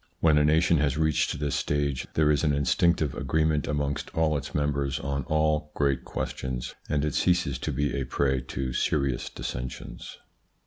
When a nation has reached this stage, there is an instinctive agreement amongst all its members on all great questions, and it ceases to be a prey to serious dissensions.